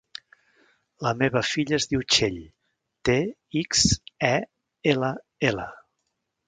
La meva filla es diu Txell: te, ics, e, ela, ela.